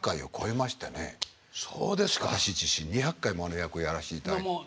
私自身２００回もあの役をやらせていただいて。